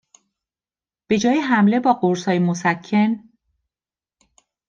به جای حمله با قرصهای مُسَکّن